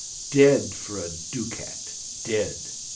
Dead, for a ducat, dead!"